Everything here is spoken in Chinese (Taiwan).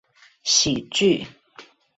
喜劇